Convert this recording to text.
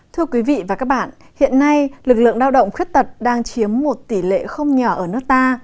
thưa quý vị và các bạn hiện nay lực lượng lao động khuyết tật đang chiếm một tỷ lệ không nhỏ ở nước ta